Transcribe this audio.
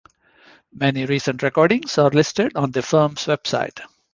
Many recent recordings are listed on the firm's website.